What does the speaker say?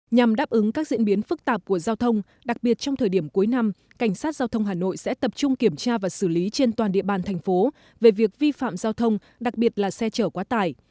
nhằm đáp ứng các diễn biến phức tạp của giao thông đặc biệt trong thời điểm cuối năm cảnh sát giao thông hà nội sẽ tập trung kiểm tra và xử lý trên toàn địa bàn thành phố về việc vi phạm giao thông đặc biệt là xe chở quá tải